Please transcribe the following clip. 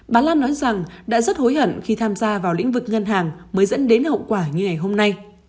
bà lan nói rằng đã rất hối hận khi tham gia vào lĩnh vực ngân hàng mới dẫn đến hậu quả như ngày hôm nay